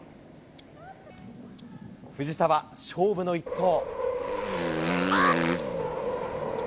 藤澤、勝負の一投。